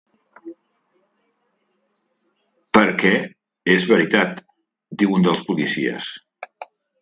"Per què, és veritat", diu un dels policies.